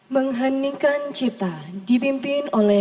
mengheningkan cipta dipimpin oleh